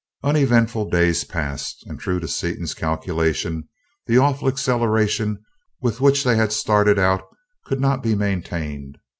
Uneventful days passed, and true to Seaton's calculations, the awful acceleration with which they had started out could not be maintained.